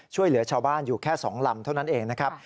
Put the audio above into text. ช่วยเหลือชาวบ้านอยู่แค่๒ลำเท่านั้นเองนะครับ